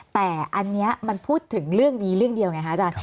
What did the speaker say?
แต่อันนี้มันพูดถึงเรื่องนี้เรื่องเดียวไงคะอาจารย์